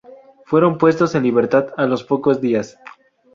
Fueron puestos en libertad a los pocos días.